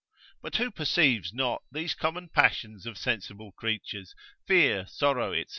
But who perceives not these common passions of sensible creatures, fear, sorrow, &c.